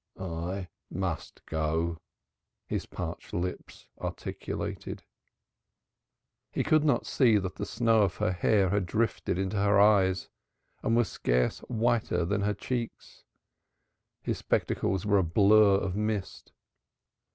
"I must go," his parched lips articulated. He could not see that the snow of her hair had drifted into her eyes and was scarce whiter than her cheeks. His spectacles were a blur of mist.